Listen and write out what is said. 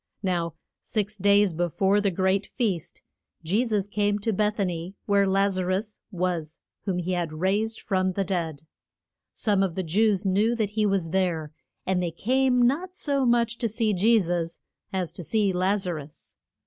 Now six days be fore the great feast, Je sus came to Beth a ny, where Laz a rus was whom he had raised from the dead. Some of the Jews knew that he was there, and they came not so much to see Je sus as to see Laz a rus.